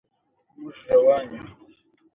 د کال دانې ختلي